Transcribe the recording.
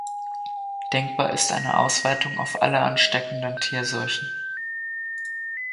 Denkbar ist eine Ausweitung auf alle ansteckenden Tierseuchen.